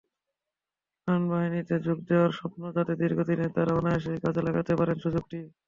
বিমানবাহিনীতে যোগ দেওয়ার স্বপ্ন যাঁদের দীর্ঘদিনের, তাঁরা অনায়াসেই কাজে লাগাতে পারেন সুযোগটি।